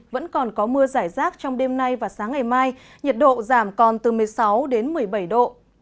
vẫn còn có mưa giải rác trong đêm nay và sáng ngày mai nhiệt độ giảm còn từ một mươi sáu đến một mươi bảy độ